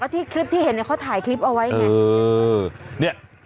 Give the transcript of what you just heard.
ก็ที่คลิปที่เห็นเนี่ยเขาถ่ายคลิปเอาไว้อย่างนั้นเออเนี่ย